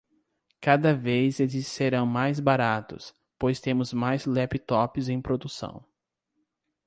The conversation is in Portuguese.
Cada vez eles serão mais baratos, pois temos mais laptops em produção.